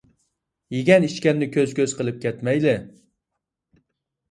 يىگەن ئىچكەننى كۆز كۆز قىپ كەتمەيلى ،